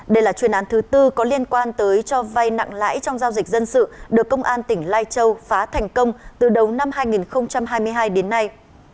đây là chuyên án thứ tư có liên quan tới cho vay nặng lãi trong giao dịch dân sự được công an tỉnh lai châu phá thành công từ đầu năm hai nghìn hai mươi hai đến nay